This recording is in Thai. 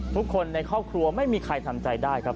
ทุกคนในครอบครัวไม่มีใครทำใจได้ครับ